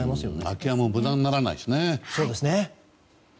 空き家も無駄にならないしね。